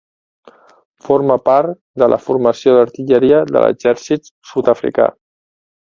Forma part de la Formació d'Artilleria de l'Exèrcit Sud-africà.